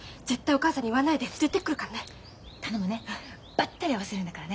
ばったり会わせるんだからね。